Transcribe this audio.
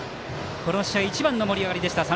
この試合一番の盛り上がり。